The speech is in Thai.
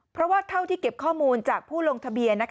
เพราะว่าเท่าที่เก็บข้อมูลจากผู้ลงทะเบียน